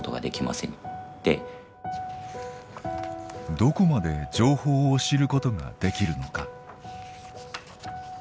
どこまで情報を知ることができるのか。